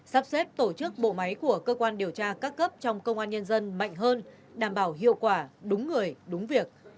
sắp xếp tổ chức bộ máy của cơ quan điều tra các cấp trong công an nhân dân mạnh hơn đảm bảo hiệu quả đúng người đúng việc